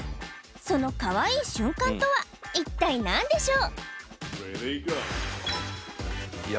そのかわいい瞬間とは一体何でしょう？